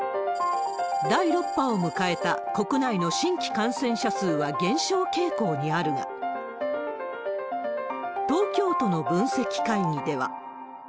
第６波を迎えた国内の新規感染者数は減少傾向にあるが、東京都の分析会議では。